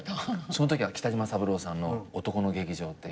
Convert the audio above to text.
そのときは北島三郎さんの『男の劇場』っていう。